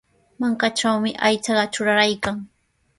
Mankatrawmi aychaqa truraraykan.